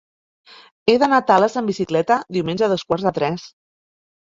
He d'anar a Tales amb bicicleta diumenge a dos quarts de tres.